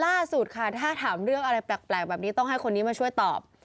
ล่าสุดค่ะถ้าถามเรื่องอะไรแปลกแบบนี้ต้องให้คนนี้มาช่วยตอบ